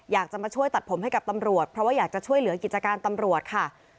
อยากจะมาช่วยตัดผมให้กับตำรวจเพราะว่าอยากจะช่วยเหลือกิจการตำรวจค่ะ